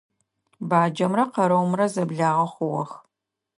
Баджэмрэ къэрэумрэ зэблагъэ хъугъэх.